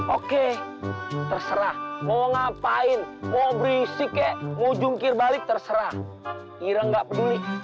oke terserah mau ngapain mau berisi kek mau jungkir balik terserah ira nggak peduli